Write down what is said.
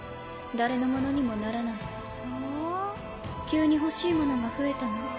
誰のものにもふん急に欲しいものが増えたな